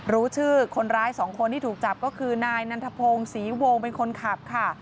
รู้ชื่อคนร้ายสองคนที่ถูกจับก็คือนายนันทพงศ์ศรีวงเป็นคนขับค่ะ